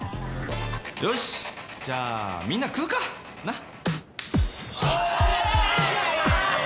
よしじゃあみんな食うかなっ。